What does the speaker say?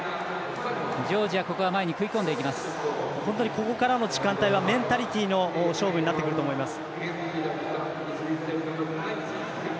ここからの時間帯はメンタリティーの勝負となってくると思います。